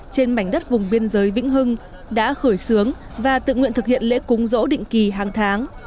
trên mảnh đất vùng biên giới vĩnh hưng đã khởi xướng và tự nguyện thực hiện lễ cúng rỗ định kỳ hàng tháng